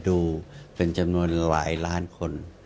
ดูเป็นจำนวนหลายล้านคน